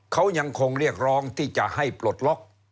เขายังคงเรียกร้องที่จะให้ปลดล็อก